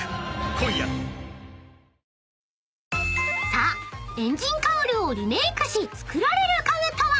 ［さあエンジンカウルをリメイクし作られる家具とは？］